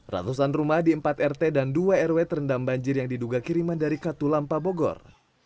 ratusan rumah di empat rt dan dua rw terendam banjir yang diduga kiriman dari katulampa bogor